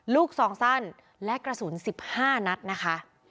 ลูกซองสั้นและกระสุนสิบห้านัดนะคะ